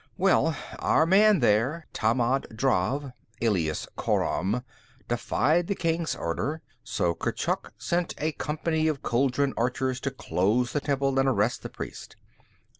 Well, our man there, Tammand Drav, alias Khoram, defied the king's order, so Kurchuk sent a company of Chuldun archers to close the temple and arrest the priests.